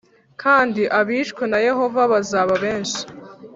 kandi abishwe na Yehova bazaba benshi